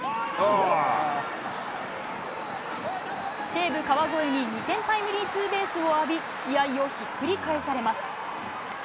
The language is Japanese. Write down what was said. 西武、川越に２点タイムリーツーベースを浴び、試合をひっくり返されます。